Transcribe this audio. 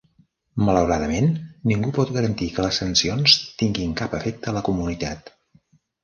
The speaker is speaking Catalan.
Malauradament, ningú pot garantir que les sancions tinguin cap efecte a la comunitat.